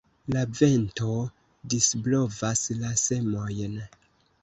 La vento disblovas la semojn.